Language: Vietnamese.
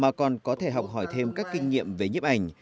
mà còn có thể học hỏi thêm các kinh nghiệm về nhiếp ảnh